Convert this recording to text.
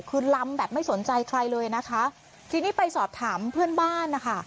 คือลำแบบไม่สนใจใครเลยนะคะทีนี้ไปสอบถามเพื่อนบ้านนะคะ